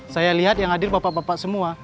saya lihat yang hadir bapak bapak semua